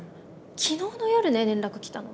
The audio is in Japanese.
昨日の夜ね連絡来たの！